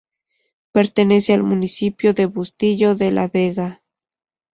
Pertenece al municipio de Bustillo de la Vega.